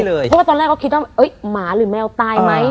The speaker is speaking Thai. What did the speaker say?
เพราะว่าตอนแรกเขาคิดว่าหมาหรือแมวตายไหม